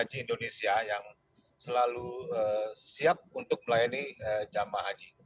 di kekuatan indonesia yang selalu siap untuk melayani jamaah haji